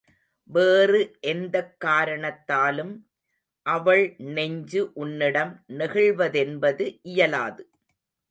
வேறு எந்தக் காரணத்தாலும், அவள் நெஞ்சு உன்னிடம் நெகிழ்வதென்பது இயலாது.